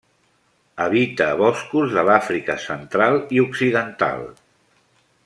Habita boscos de l'Àfrica Central i Occidental.